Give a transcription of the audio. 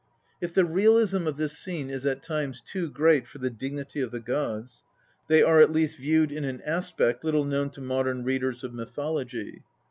If the realism of this scene is at times too great for the dignity of the gods, they are at least viewed in an aspect little known to modern readers of mythology.